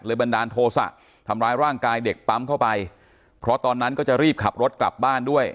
บันดาลโทษะทำร้ายร่างกายเด็กปั๊มเข้าไปเพราะตอนนั้นก็จะรีบขับรถกลับบ้านด้วย